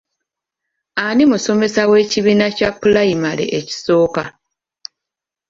Ani musomesa w'ekibiina kya pulayimale ekisooka?